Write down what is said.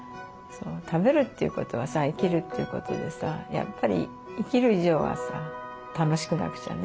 食べるっていうことはさ生きるっていうことでさやっぱり生きる以上はさ楽しくなくちゃね。